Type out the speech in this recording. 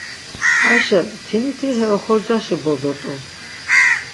Ayşe mtiniti he oxorcaşi bozo t̆u.